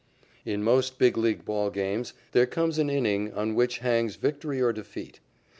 "_ In most Big League ball games, there comes an inning on which hangs victory or defeat.